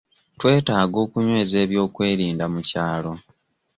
Twetaaga okunyweza ebyokwerinda mu kyalo.